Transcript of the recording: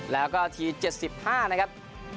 แล้วก็ทีเจ็ดสิบห้านะครับ